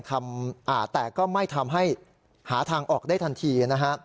แต่ก็ไม่ทำให้หาทางออกได้ทันทีนะฮะ